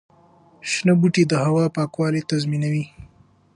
شنه بوټي د هوا پاکوالي تضمینوي.